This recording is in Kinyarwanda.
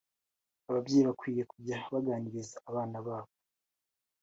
Ababyeyi bakwiye kujya baganiriza abana babo